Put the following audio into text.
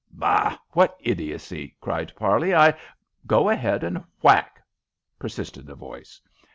"Bah! What idiocy!" cried Parley. "I " "Go ahead and whack," persisted the voice.